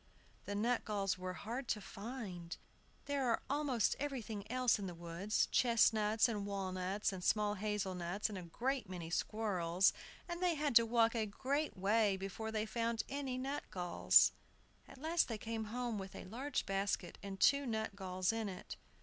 The nutgalls were hard to find. There was almost everything else in the woods, chestnuts, and walnuts, and small hazel nuts, and a great many squirrels; and they had to walk a great way before they found any nutgalls. At last they came home with a large basket and two nutgalls in it.